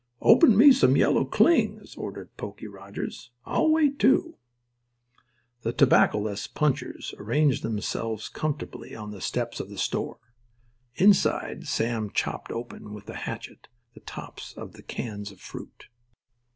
"Open me some yellow clings," ordered Poky Rodgers. "I'll wait, too." The tobaccoless punchers arranged themselves comfortably on the steps of the store. Inside Sam chopped open with a hatchet the tops of the cans of fruit.